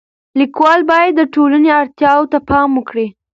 لیکوال باید د ټولنې اړتیاو ته پام وکړي.